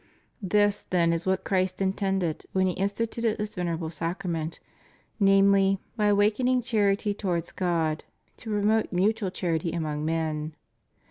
This then is what Christ intended when He instituted this venerable Sacrament, namely, by awakening charity towards God to promote mutual charity among men.